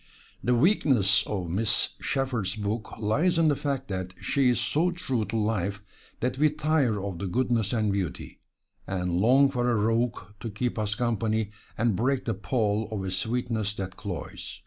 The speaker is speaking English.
The weakness of Miss Sheppard's book lies in the fact that she is so true to life that we tire of the goodness and beauty, and long for a rogue to keep us company and break the pall of a sweetness that cloys.